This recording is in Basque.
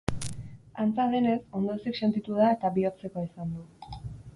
Antza denez, ondoezik sentitu da eta bihotzekoa izan du.